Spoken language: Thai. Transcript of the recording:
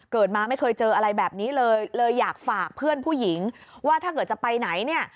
เกิดมาไม่เคยเจออะไรแบบนี้เลยเลยอยากฝากเพื่อนผู้หญิงว่าถ้าเกิดจะไปไหนเนี่ย